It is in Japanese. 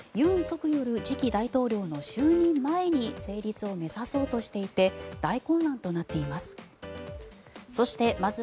尹錫悦次期大統領の就任前に成立を目指そうとしていて大混乱となっています。